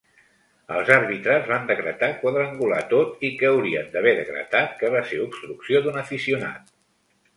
Els àrbitres van decretar quadrangular tot i que haurien d'haver decretat que va ser obstrucció d'un aficionat.